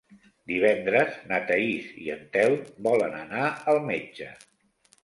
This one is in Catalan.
Divendres na Thaís i en Telm volen anar al metge.